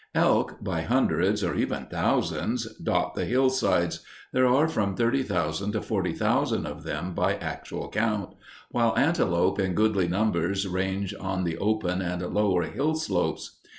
Elk by hundreds, or even thousands, dot the hillsides, there are from 30,000 to 40,000 of them by actual count, while antelope in goodly numbers range on the open and lower hill slopes.